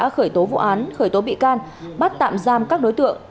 khởi tố vụ án khởi tố bị can bắt tạm giam các đối tượng